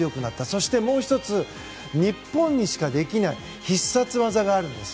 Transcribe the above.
そして、もう１つ日本にしかできない必殺技があるんです。